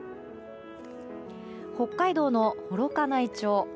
北海道の幌加内町。